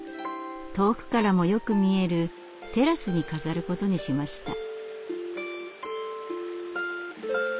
遠くからもよく見えるテラスに飾ることにしました。